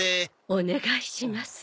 お願いします。